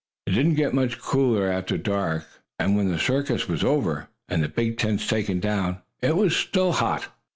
It did not get much cooler after dark, and when the circus was over, and the big tents taken down, it was still hot.